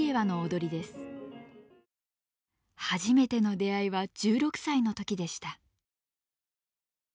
初めての出会いは１６歳のときでした。